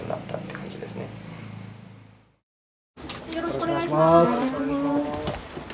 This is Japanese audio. よろしくお願いします。